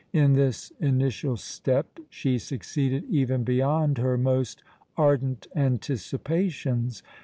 In this initial step she succeeded even beyond her most ardent anticipations.